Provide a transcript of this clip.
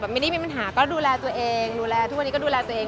ไม่ได้มีปัญหาก็ดูแลตัวเองดูแลทุกวันนี้ก็ดูแลตัวเอง